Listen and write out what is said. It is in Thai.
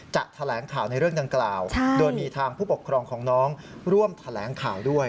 แถลงข่าวในเรื่องดังกล่าวโดยมีทางผู้ปกครองของน้องร่วมแถลงข่าวด้วย